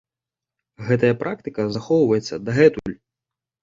Гэтая практыка захоўваецца дагэтуль.